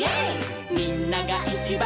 「みんながいちばん」